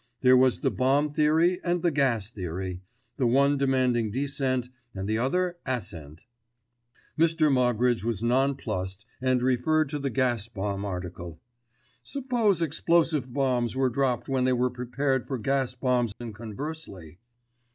There was the bomb theory and the gas theory, the one demanding descent and the other ascent. Mr. Moggridge was nonplussed and referred to the gas bomb article. Suppose explosive bombs were dropped when they were prepared for gas bombs and conversely?